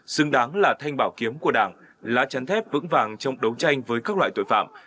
xứng đáng là thanh bảo kiếm của đảng lá chắn thép vững vàng trong đấu tranh với các loại tội phạm